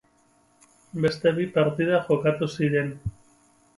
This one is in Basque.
Beste bi partida jokatu ziren.